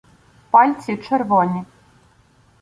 Пальці червоні.